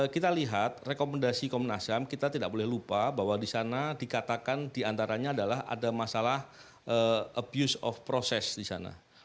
kita lihat rekomendasi komnas ham kita tidak boleh lupa bahwa di sana dikatakan diantaranya adalah ada masalah abuse of process di sana